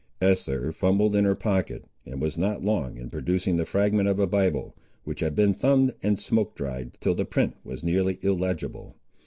Esther fumbled in her pocket, and was not long in producing the fragment of a Bible, which had been thumbed and smoke dried till the print was nearly illegible.